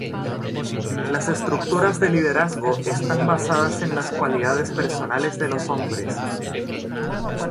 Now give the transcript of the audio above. Las estructuras de liderazgo están basadas en las cualidades personales de los hombres.